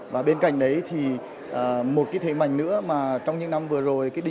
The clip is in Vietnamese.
và bên cạnh đấy thì một cái thế mạnh nữa mà trong những năm vừa rồi